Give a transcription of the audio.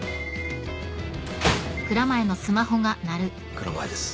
蔵前です。